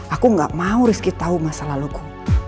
aku gak mau rizky tahu masa laluku